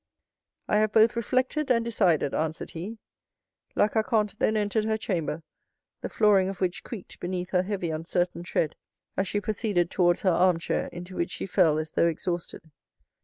"I have both reflected and decided," answered he. La Carconte then entered her chamber, the flooring of which creaked beneath her heavy, uncertain tread, as she proceeded towards her armchair, into which she fell as though exhausted.